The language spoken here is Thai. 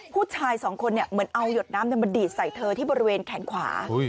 ผู้ชายสองคนเหมือนเอาหยดน้ำมาดีดใส่เธอที่บริเวณแขนขวา